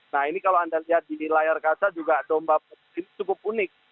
nah ini kalau anda lihat di layar kaca juga domba ini cukup unik